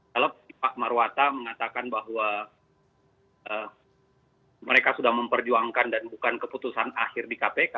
kalau pak marwata mengatakan bahwa mereka sudah memperjuangkan dan bukan keputusan akhir di kpk